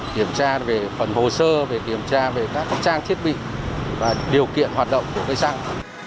kiểm tra về phần hồ sơ về kiểm tra về các trang thiết bị và điều kiện hoạt động của cây xăng